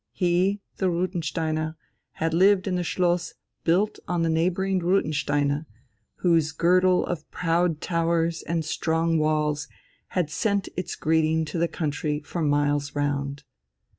He, the Rutensteiner, had lived in the Schloss built on the neighbouring Rutensteine, whose girdle of proud towers and strong walls had sent its greeting to the country for miles round.